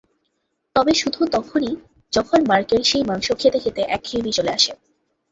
তবে শুধু তখনই যখন মার্কের সেই মাংস খেতে খেতে একঘেয়েমি চলে আসে।